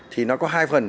thì nó có hai phần